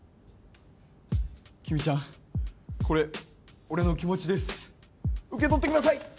きみちゃんこれ俺の気持ちです受け取ってください！